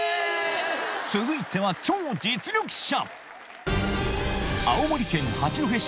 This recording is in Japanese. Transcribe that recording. ⁉続いては超実力者！